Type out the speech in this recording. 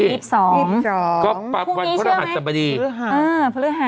๒๒นก็ปรับวันพระรหัสสรรพดีพรรภาพ